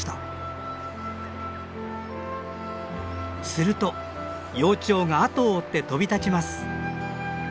すると幼鳥が後を追って飛び立ちます。